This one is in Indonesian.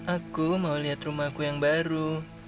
aku mau liat rumahku yang baru